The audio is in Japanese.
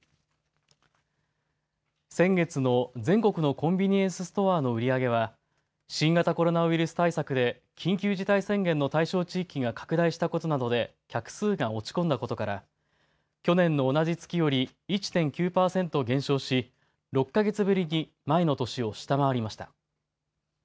先月の全国のコンビニエンスストアの売り上げは、新型コロナウイルス対策で緊急事態宣言の対象地域が拡大したことなどで、客数が落ち込んだことから、去年の同じ月より１．９％減少し、６か月ぶりに前の年を下回りました。